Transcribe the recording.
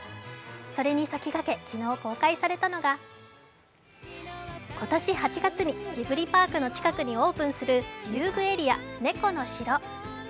それに先駆け昨日、公開されたのが今年８月にジブリパークの近くにオープンする猫の城。